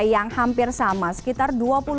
yang hampir sama sekitar dua puluh lima